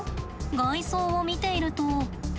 外装を見ていると。